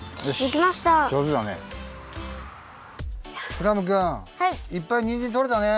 クラムくんいっぱいにんじんとれたね。